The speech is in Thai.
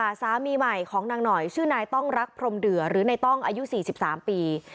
สามีใหม่ของนางหน่อยชื่อนายต้องรักพรมเดือหรือในต้องอายุ๔๓ปี